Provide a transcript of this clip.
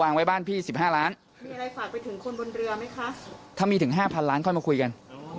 นั่นแหละครับ